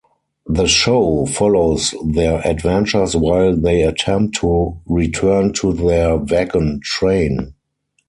The show follows their adventures while they attempt to return to their wagon train.